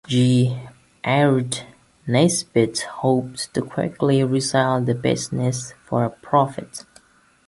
J. Aird Nesbitt hoped to quickly resell the business for a profit.